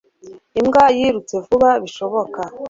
Imbwa yirutse vuba bishoboka